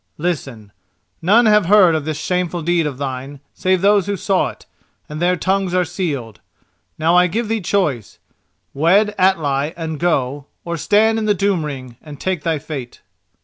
Listen: none have heard of this shameful deed of thine save those who saw it, and their tongues are sealed. Now I give thee choice: wed Atli and go, or stand in the Doom ring and take thy fate."